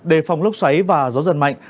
đề phòng lốc xoáy và gió giật mạnh